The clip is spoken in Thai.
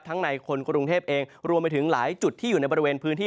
ในคนกรุงเทพเองรวมไปถึงหลายจุดที่อยู่ในบริเวณพื้นที่